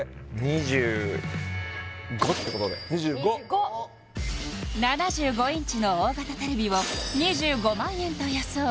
２５ってことで２５７５インチの大型テレビを２５万円と予想